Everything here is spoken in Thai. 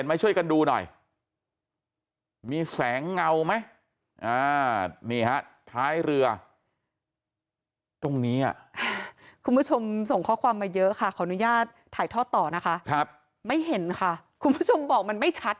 ในในในในในในในในในในในในในในในในในในในในในในในใน